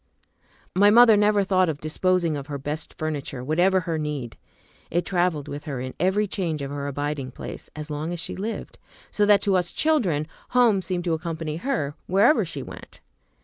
My mother never thought of disposing of her best furniture, whatever her need. It traveled with her in every change of her abiding place, as long as she lived, so that to us children home seemed to accompany her wherever she went.